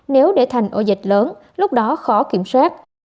nếu để thành ổ dịch lớn lúc đó khó kiểm soát